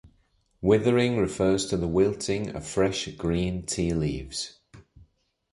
Withering refers to the wilting of fresh green tea leaves.